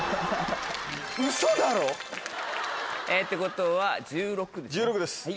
ウソだろ！ってことは１６ですね。